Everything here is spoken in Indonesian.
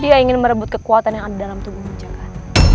dia ingin merebut kekuatan yang ada dalam tubuhmu jaka